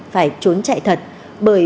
phải trốn chạy thật bởi